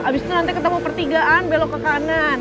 abis itu nanti ketemu pertigaan belok ke kanan